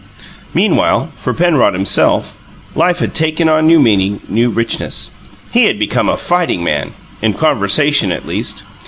Meanwhile, for Penrod himself, "life had taken on new meaning, new richness." He had become a fighting man in conversation at least.